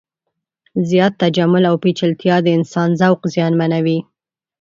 زیات تجمل او پیچلتیا د انسان ذوق زیانمنوي.